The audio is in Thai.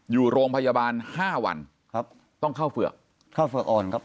อยู่โรงพยาบาลห้าวันครับต้องเข้าเฝือกเข้าเฝือกอ่อนครับ